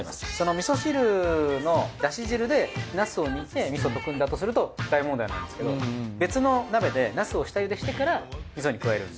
みそ汁のだし汁でナスを煮てみそ溶くんだとすると大問題なんですけど別の鍋でナスを下茹でしてからみそに加えるんで。